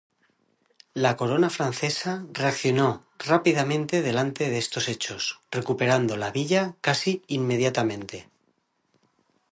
La corona francesa reaccionó rápidamente delante de estos hechos, recuperando la villa casi inmediatamente.